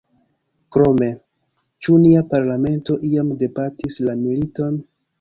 Krome: ĉu nia parlamento iam debatis la militon?